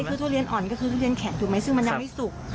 คือทุเรียนอ่อนก็คือทุเรียนแข็งถูกไหมซึ่งมันยังไม่สุก